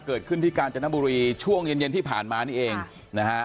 เกิดขึ้นที่กาญจนบุรีช่วงเย็นเย็นที่ผ่านมานี่เองนะฮะ